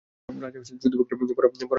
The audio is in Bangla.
রাজা যুদ্ধবিগ্রহের বড় একটা ধার ধারেন না।